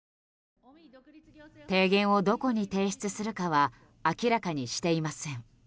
提言をどこに提出するかは明らかにしていません。